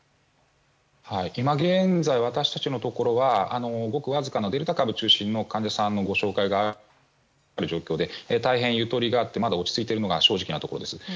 今現在、私たちのところはごくわずかなデルタ株中心の患者さんのご紹介がある状況で大変ゆとりがあって落ち着いているのが正直なところです。